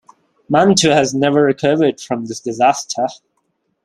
Mantua has never recovered from this disaster.